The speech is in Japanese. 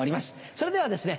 それではですね